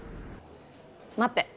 待って。